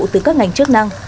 từ các ngành chức năng